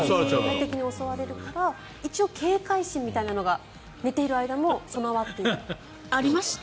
外敵に襲われるから一応、警戒心みたいなのが寝ている間もありました？